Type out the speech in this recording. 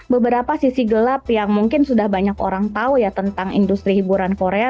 beberapa sisi gelap yang mungkin sudah banyak orang tahu ya tentang industri hiburan korea